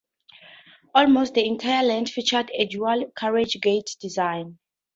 Almost the entire length featured a dual-carriageway design.